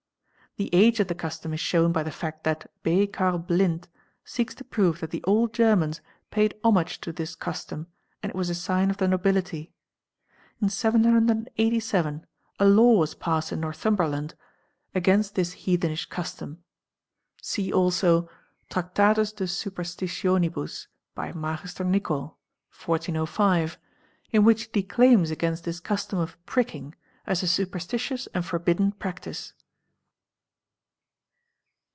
_ The age of the custom is shewn by the fact that B. Karl Blind 'Seeks to prove that the old Germans paid homage to this custom and it y ras a sign of the nobility. In 787 a law was passed in Northumberland 166 THE EXPERT against this heathenish custom. See also " T'ractatus de superstitionibus"' by Magister Nicol, 1405 @" in which he declaims against this custom of " pricking''. as a superstitious and forbidden practice.